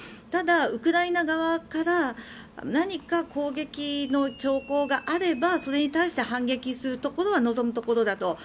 ただ、ウクライナ側から何か攻撃の兆候があればそれに対して反撃するところは望むところだと。